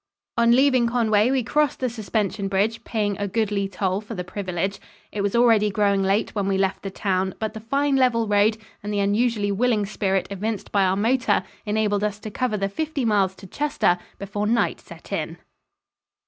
On leaving Conway we crossed the suspension bridge, paying a goodly toll for the privilege. It was already growing late when we left the town, but the fine level road and the unusually willing spirit evinced by our motor enabled us to cover the fifty miles to Chester before night set in.